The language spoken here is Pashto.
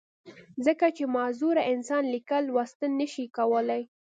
ځکه چې معذوره انسان ليکل، لوستل نۀ شي کولی